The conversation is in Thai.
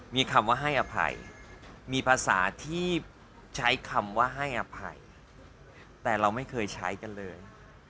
มีคำว่าให้อภัยมีภาษาที่ใช้คำว่าให้อภัยแต่เราไม่เคยใช้กันเลย